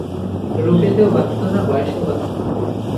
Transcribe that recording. রূপেতেও বাধত না, বয়সেও বাধত না।